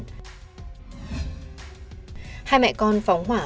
hai mẹ con phóng hỏa